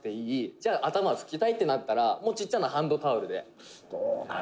「じゃあ頭を拭きたいってなったらちっちゃなハンドタオルで」